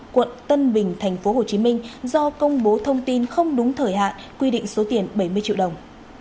quận tân bình tp hcm do công bố thông tin không đúng thời hạn quy định số tiền bảy mươi triệu đồng